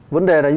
vấn đề là